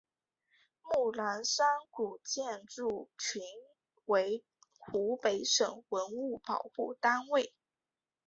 木兰山古建筑群为湖北省文物保护单位。